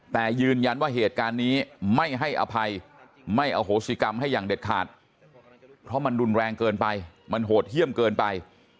แต่ยืนยันว่าเหตุการณ์นี้ไม่ให้อภัยไม่อโหสิกรรมให้อย่างเด็ดขาดเพราะมันรุนแรงเกินไปมันโหดเยี่ยมเกินไป